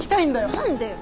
何でよ。